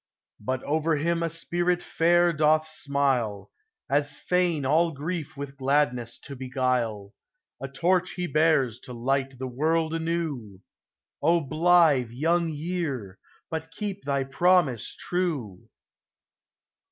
But over him a spirit fair doth smile, As fain all grief with gladness to beguile ; A torch he bears to light the world miew — O blithe Young Year, but keep thy promise true